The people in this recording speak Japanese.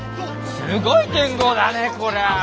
すごい剣豪だねこりゃ！